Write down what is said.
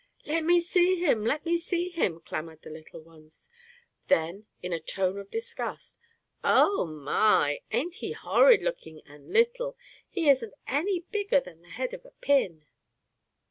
"Let me see him! Let me see him!" clamored the little ones. Then, in a tone of disgust: "Oh, my! ain't he horrid looking and little. He isn't any bigger than the head of a pin."